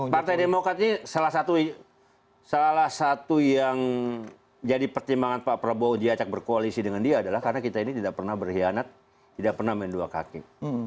partai demokrat ini salah satu yang jadi pertimbangan pak prabowo diacak berkoalisi dengan dia adalah karena kita ini tidak pernah berkhianat tidak pernah main dua kaki